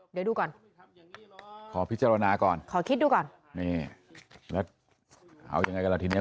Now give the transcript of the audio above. เดี๋ยวดูก่อนขอพิจารณาก่อนขอคิดดูก่อนนี่แล้วเอายังไงกันล่ะทีเนี้ย